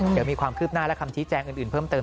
เดี๋ยวมีความคืบหน้าและคำชี้แจงอื่นเพิ่มเติม